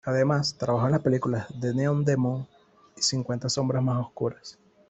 Además, trabajó en las películas "The Neon Demon" y "Cincuenta sombras más oscuras".